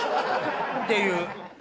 っていう。